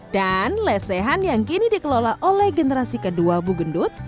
dan lesehan yang kini dikelola oleh generasi kedua bugendut